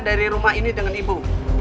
dari rumah ini dengan ibu